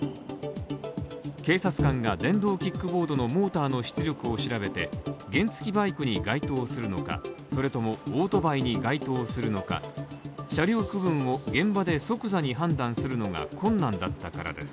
警察官が電動キックボードのモーターの出力を調べて、原付バイクに該当するのか、それとも、オートバイに該当するのか、車両区分を現場で即座に判断するのが困難だったからです。